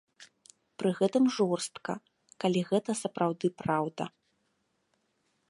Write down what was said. Пры гэтым жорстка, калі гэта сапраўды праўда.